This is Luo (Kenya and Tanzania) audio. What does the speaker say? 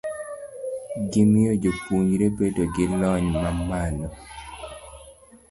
gimiyo jopuonjre bedo gi lony mamalo.